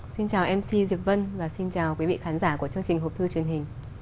xin chào mc diệp vân và xin chào quý vị khán giả của chương trình hộp thư truyền hình